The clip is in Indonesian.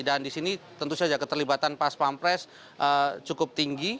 dan di sini tentu saja keterlibatan pas pampres cukup tinggi